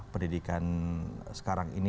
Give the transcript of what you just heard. pendidikan sekarang ini